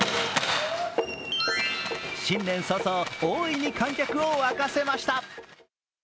新年早々、大いに観客を沸かせました。